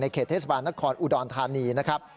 ในเขตเทศบาลนักศึกษาอุดรธานีนะครับ